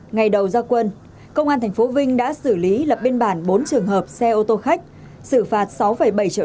ngày đầu gia quân công an tp vinh đã xử lý lập biên bản bốn trường hợp xe ô tô khách xử phạt sáu bảy triệu đồng